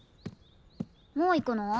もう行くの？